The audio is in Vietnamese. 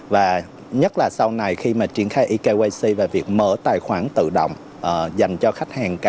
và nhất là sau này khi mà triển khai ekyc và việc mở tài khoản tự động dành cho khách hàng